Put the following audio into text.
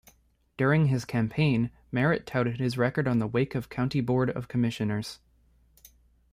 During his campaign, Merritt touted his record on the Wake County Board of Commissioners.